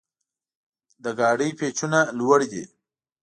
د ګاډي پېچونه لوړ دي.